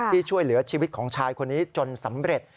ช่วยเหลือชีวิตของชายคนนี้จนสำเร็จ